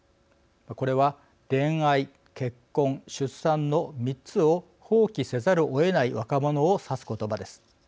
これは恋愛、結婚、出産の３つを放棄せざるをえない若者を指す言葉です。